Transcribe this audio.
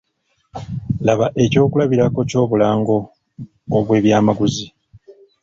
Laba ekyokulabirako ky’obulango obw’ebyamaguzi.